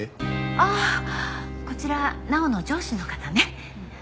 ああこちら直央の上司の方ね。